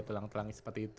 tulang tulangnya seperti itu